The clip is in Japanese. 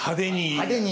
派手に。